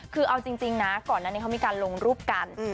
คือเอาจริงนะก่อนนั้นเขามีการลงรูปกัน